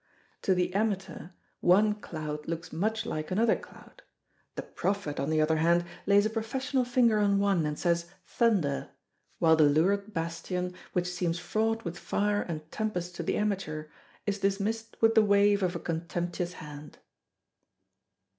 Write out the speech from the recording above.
To the amateur one cloud looks much like another cloud: the prophet, on the other hand, lays a professional finger on one and says "Thunder," while the lurid bastion, which seems fraught with fire and tempest to the amateur, is dismissed with the wave of a contemptuous hand.